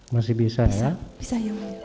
masih bisa ya